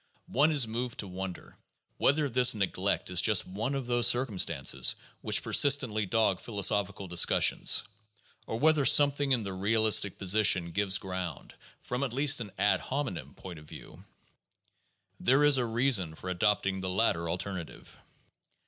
One is moved to wonder whether this neglect is just one of those circumstances which persistently dog philosophical discussions, or whether something in the realistic position gives ground (from at least an ad hominem point of view) for the neglect. There is a reason for adopting the latter alternative.